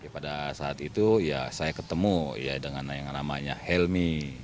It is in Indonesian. pada saat itu saya ketemu dengan yang namanya helmi